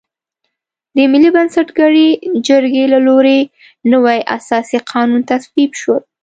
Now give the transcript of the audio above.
د ملي بنسټګرې جرګې له لوري نوی اساسي قانون تصویب شو.